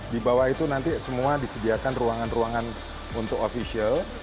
di bawah itu nanti semua disediakan ruangan ruangan untuk official